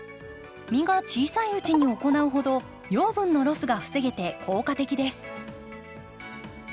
実が小さいうちに行うほど養分のロスが防げて効果的です。